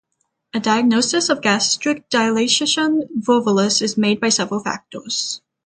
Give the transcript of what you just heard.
A diagnosis of gastric dilatation-volvulus is made by several factors.